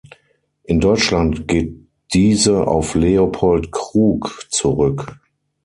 In Deutschland geht diese auf Leopold Krug zurück.